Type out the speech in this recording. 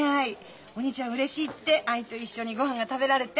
おにいちゃんうれしいって藍と一緒にごはんが食べられて。